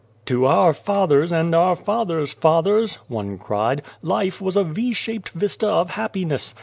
" To our fathers and our fathers' fathers," one cried, " life was a V shaped vista of happi ness.